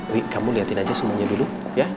wih kamu liatin aja semuanya dulu ya